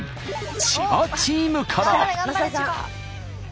千葉チームから。